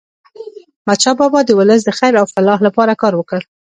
احمد شاه بابا د ولس د خیر او فلاح لپاره کار وکړ.